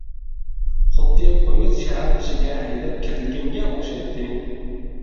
خۇددى پويىز شەھەر ئىچىگە ھەيدەپ كىرىلگەنگە ئوخشايتتى.